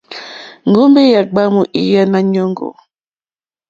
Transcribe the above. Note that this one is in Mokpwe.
Ŋgombe yà gbàamù lyà Nàanyòŋgò.